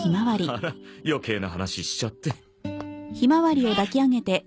あら余計な話しちゃって。